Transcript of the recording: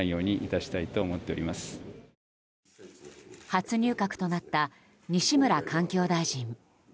初入閣となった西村環境大臣。